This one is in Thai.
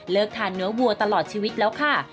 ทานเนื้อวัวตลอดชีวิตแล้วค่ะ